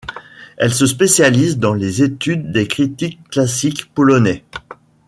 Elle se spécialise dans les études des critiques classiques polonais.